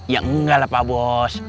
ya enggak lah pak bos